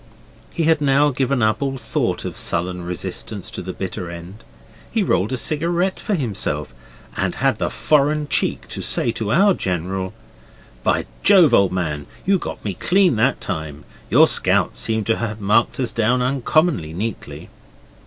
He had now given up all thought of sullen resistance to the bitter end. He rolled a cigarette for himself, and had the foreign cheek to say to our Colonel 'By Jove, old man, you got me clean that time! Your scouts seem to have marked us down uncommonly neatly.